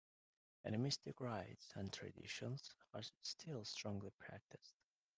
Animistic rites and traditions are still strongly practiced.